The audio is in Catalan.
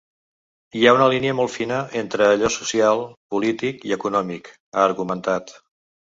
Hi ha una línia molt fina entre allò social, polític i econòmic, ha argumentat.